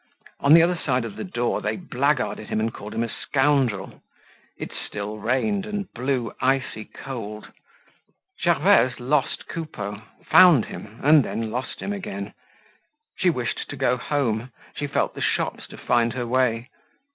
On the other side of the door they blackguarded him and called him a scoundrel. It still rained and blew icy cold. Gervaise lost Coupeau, found him and then lost him again. She wished to go home; she felt the shops to find her way.